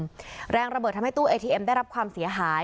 แรงระเบิดทำให้ตู้เอทีเอ็มได้รับความเสียหาย